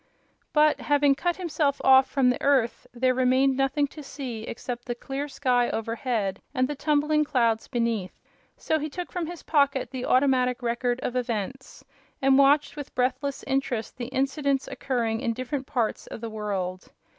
But, having cut himself off from the earth, there remained nothing to see except the clear sky overhead and the tumbling clouds beneath; so he took from his pocket the Automatic Record of Events, and watched with breathless interest the incidents occurring in different parts of the world.